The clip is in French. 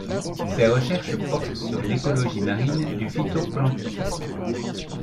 Ses recherches portent sur l'écologie marine du phytoplancton.